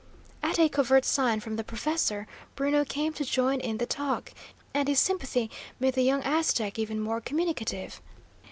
At a covert sign from the professor, Bruno came to join in the talk, and his sympathy made the young Aztec even more communicative.